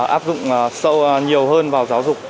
áp dụng sâu nhiều hơn vào giáo dục